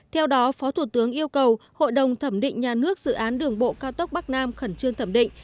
theo đó phó thủ tướng yêu cầu hội đồng thẩm định nhà nước dự án đường bộ cao tốc bắc nam khẩn trương thẩm định